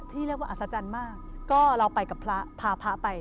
เรียกว่าอัศจรรย์มากก็เราไปกับพระพาพระไป